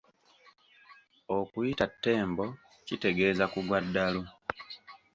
Okuyita Ttembo kitegeeza kugwa ddalu.